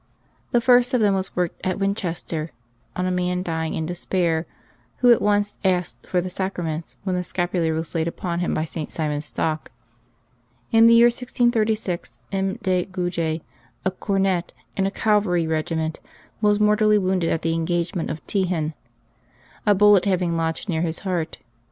The first of them was worked at "Winchester on a man dying in despair, who at once asked for the Sacra/ ments, when the scapular was laid upon him by St. Simon Stock. In the year 1636, M. de Gnge, a cornet in a cav alry regiment, was mortally wounded at the engagement of Tehin, a bullet having lodged near his heart.